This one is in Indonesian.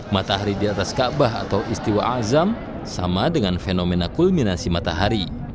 matahari di atas kaabah atau istiwa azam sama dengan fenomena kulminasi matahari